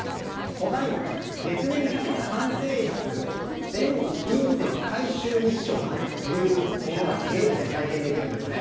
他にも、月面基地の管制室で隕石回収ミッションというものがゲームで体験できるんですね。